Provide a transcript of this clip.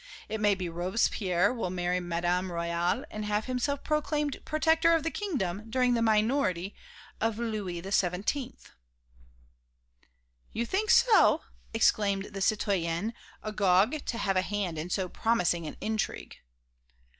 It may be Robespierre will marry Madame Royale and have himself proclaimed Protector of the Kingdom during the minority of Louis XVII." "You think so!" exclaimed the citoyenne, agog to have a hand in so promising an intrigue.